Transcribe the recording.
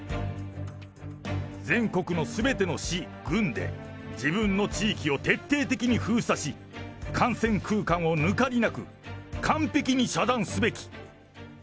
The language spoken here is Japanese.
全国のすべての市、郡で、自分の地域を徹底的に封鎖し、感染空間をぬかりなく完璧に遮断すべき。